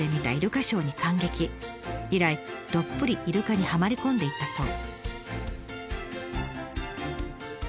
以来どっぷりイルカにはまり込んでいったそう。